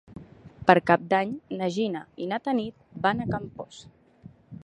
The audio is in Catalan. Per Cap d'Any na Gina i na Tanit van a Campos.